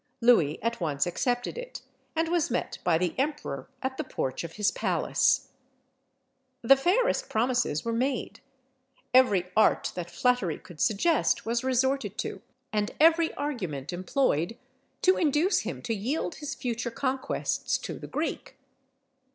Louis at once accepted it, and was met by the emperor at the porch of his palace. The fairest promises were made; every art that flattery could suggest was resorted to, and every argument employed, to induce him to yield his future conquests to the Greek.